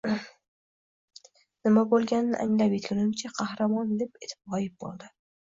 Nima bo‘lganini anglab yetgunimcha, Qahramon lip etib g‘oyib bo‘ldi.